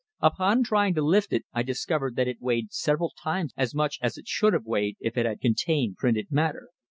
Upon trying to lift it, I discovered that it weighed several times as much as it should have weighed if it had contained printed matter.